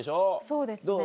そうですね。